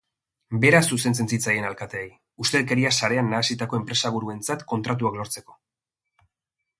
Bera zuzentzen zitzaien alkateei, ustelkeria sarean nahasitako enpresaburuentzat kontratuak lortzeko.